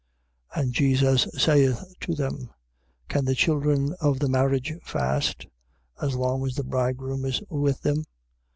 2:19. And Jesus saith to them: Can the children of the marriage fast, as long as the bridegroom is with them?